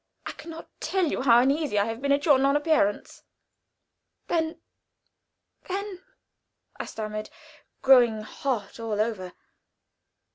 I can not tell you how uneasy I have been at your non appearance." "Then then " I stammered, growing hot all over.